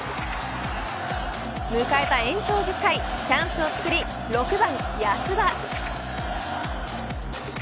迎えた延長１０回チャンスをつくり６番安田。